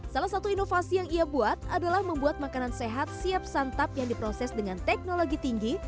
salah satu inovasi yang ia buat adalah membuat makanan sehat siap santap yang diproses dengan teknologi tinggi